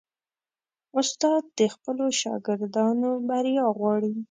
استاد د خپلو شاګردانو بریا غواړي.